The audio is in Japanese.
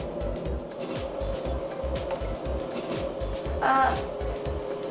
あっ。